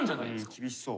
厳しそう。